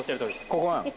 ここなの。